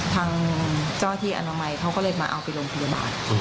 ทางเจ้าหน้าที่อนามัยเขาก็เลยมาเอาไปโรงพยาบาล